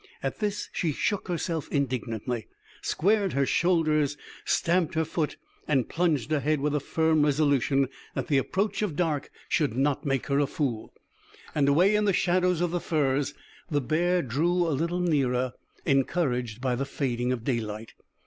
At this she shook herself indignantly, squared her shoulders, stamped her foot, and plunged ahead with a firm resolution that the approach of dark should not make her a fool. And away in the shadows of the firs the bear drew a little nearer, encouraged by the fading of daylight.